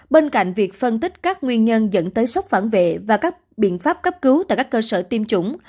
bên cạnh việc phân tích các nguyên nhân dẫn tới sốc phản vệ và các biện pháp cấp cứu tại các cơ sở tiêm chủng